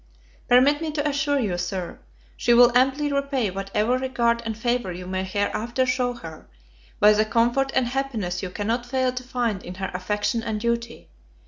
Permit me to assure you, Sir, she will amply repay whatever regard and favour you may hereafter shew her, by the comfort and happiness you cannot fail to find in her affection and duty.